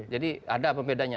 jadi ada pembedanya